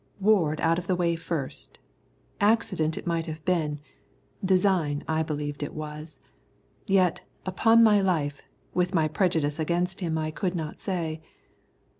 Ward out of the way first! Accident it might have been, design I believed it was. Yet, upon my life, with my prejudice against him I could not say.